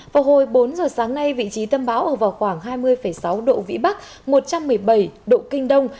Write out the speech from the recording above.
vào hồi bốn giờ sáng nay vị trí tâm bão ở vào khoảng hai mươi sáu độ vĩ bắc một trăm một mươi bảy độ kinh đông